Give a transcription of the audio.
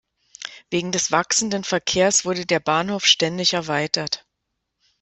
Wegen des wachsenden Verkehrs wurde der Bahnhof ständig erweitert.